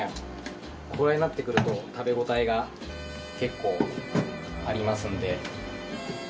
これくらいになってくると食べ応えが結構ありますんで。